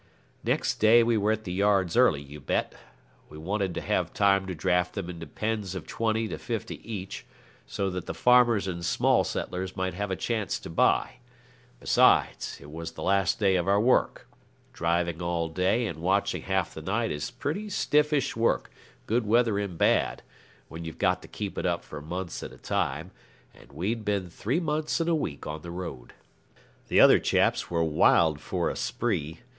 Next day we were at the yards early, you bet. We wanted to have time to draft them into pens of twenty to fifty each, so that the farmers and small settlers might have a chance to buy. Besides, it was the last day of our work. Driving all day and watching half the night is pretty stiffish work, good weather and bad, when you've got to keep it up for months at a time, and we'd been three months and a week on the road. The other chaps were wild for a spree.